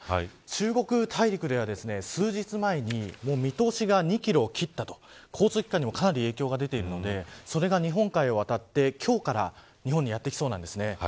中国大陸では、数日前に見通しが２キロを切ったと交通機関にもかなり影響が出ているのでそれが日本海を渡って今日から日本にやってきそうなんですね。